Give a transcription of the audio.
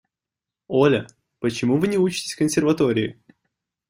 Оля, почему вы не учитесь в консерватории?